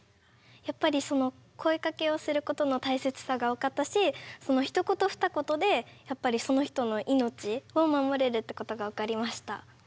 やっぱりその声かけをすることの大切さが分かったしそのひと言ふた言でやっぱりその人の命を守れるってことが分かりました。